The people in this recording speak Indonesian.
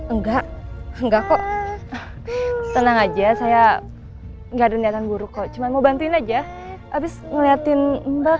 enggak enggak kok senang aja saya enggak ada niatan buruk kok cuma mau bantuin aja abis ngeliatin mbak